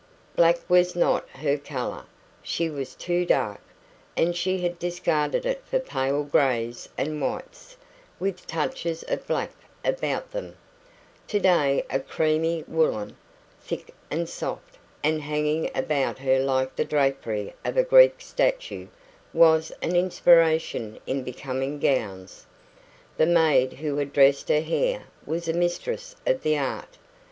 Black was not her colour she was too dark and she had discarded it for pale greys and whites, with touches of black about them; today a creamy woollen, thick and soft, and hanging about her like the drapery of a Greek statue, was an inspiration in becoming gowns. The maid who had dressed her hair was a mistress of the art.